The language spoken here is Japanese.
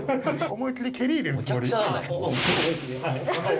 思い切り蹴り入れるつもり？